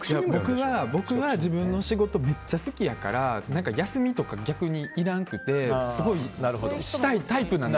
僕は自分の仕事めっちゃ好きやから休みとか逆にいらんくてすごいしたいタイプなの。